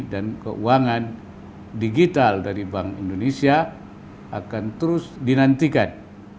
dan dalam keuangan digital dari bank indonesia akan terus dinantikan